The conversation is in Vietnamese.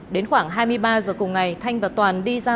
đến khoảng hai mươi ba giờ cùng ngày thanh và toàn đi ra